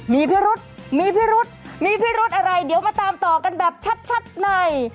มีพิรุธอะไรเดี๋ยวมาตามต่อกันแบบชัดใน